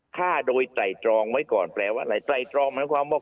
ฆ่าโดยไตลองไว้ก่อนแปลว่าอะไรไตลองความว่า